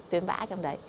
tuyến bã trong đấy